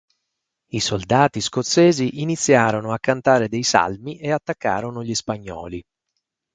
I soldati scozzesi iniziarono a cantare dei salmi e attaccarono gli spagnoli.